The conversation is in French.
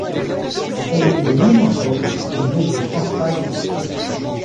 Elle est limitrophe des régions centrale et Sud.